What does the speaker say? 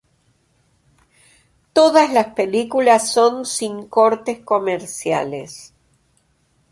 Todas las películas son sin "cortes comerciales".